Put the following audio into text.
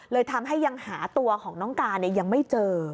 เลยทำให้ยังหาตัวของน้องการยังไม่เจอ